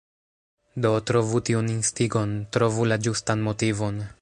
Do, trovu tiun instigon, Trovu la ĝustan motivon.